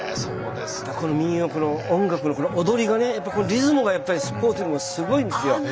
この民謡音楽の踊りがねリズムがやっぱりスポーツでもすごいんですよ。